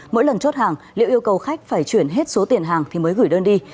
mỗi lần chốt hàng liễu yêu cầu khách phải chuyển hết số tiền hàng thì mới gửi đơn đi